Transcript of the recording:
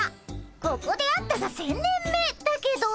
ここで会ったが１，０００年目だけど。